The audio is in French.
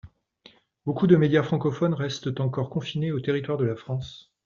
Beaucoup de médias francophones restent encore confinés au territoire de la France.